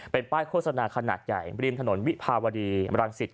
เป็นป้ายโฆษณาขนาดใหญ่ริมถนนวิภาวดีรังสิต